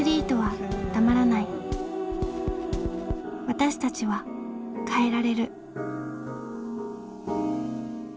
私たちは変えられる。